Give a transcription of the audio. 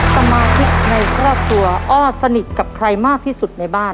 สมาชิกในครอบครัวอ้อสนิทกับใครมากที่สุดในบ้าน